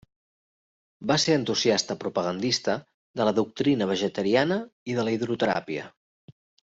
Vas ser entusiasta propagandista de la doctrina vegetariana i de la hidroteràpia.